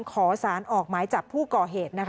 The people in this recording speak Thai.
ขอสารออกหมายจับผู้ก่อเหตุ